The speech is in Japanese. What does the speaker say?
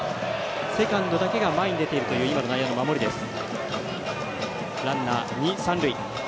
セカンドだけが前に出ているという今の内野の守りです。